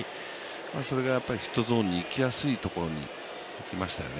それがやっぱりヒットゾーンに行きやすいところにいきましたよね。